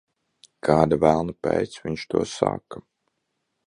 Kāda velna pēc viņš to saka?